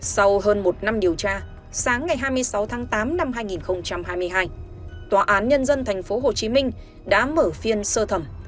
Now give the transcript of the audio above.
sau hơn một năm điều tra sáng ngày hai mươi sáu tháng tám năm hai nghìn hai mươi hai tòa án nhân dân thành phố hồ chí minh đã mở phiên sơ thẩm